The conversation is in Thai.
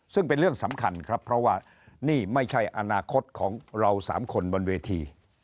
ซึ่งเป็นเรื่องสำคัญครับเพราะว่านี่ไม่ใช่อนาคตของเราสามคนบนเวที